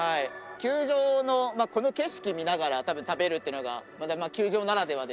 球場のこの景色見ながら多分食べるっていうのがまた球場ならではで。